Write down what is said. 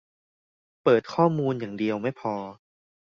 เปิดข้อมูลอย่างเดียวไม่พอ